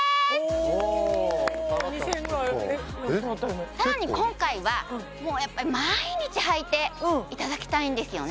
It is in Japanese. おお下がった結構さらに今回はもうやっぱり毎日はいていただきたいんですよね